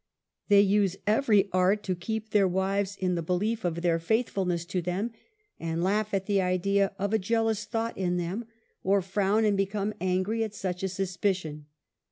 They use every art to keep their wives in the belief of their 8 UNMASKED. faithfulness to them, and laugh at the idea of a jeal ous thought in them, or frown and hecome angry at such a suspicion.